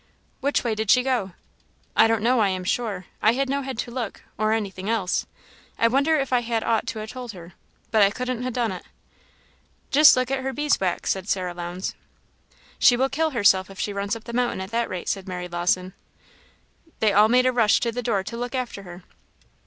"Which way did she go?" "I don't know I am sure I had no head to look, or anything else. I wonder if I had ought to ha' told her. But I couldn't ha' done it." "Just look at her bees' wax!" said Sarah Lowndes. "She will kill herself if she runs up the mountain at that rate," said Mary Lawson. They all made a rush to the door to look after her.